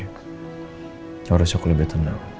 harusnya aku lebih tenang